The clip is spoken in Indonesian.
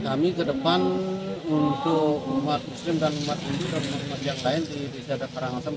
kami ke depan untuk umat muslim dan umat muslim dan umat yang lain di desa adat karangasem